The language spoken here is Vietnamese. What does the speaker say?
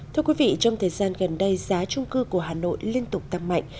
thưa quý vị trong thời gian gần đây giá trung cư của hà nội liên tục tăng mạnh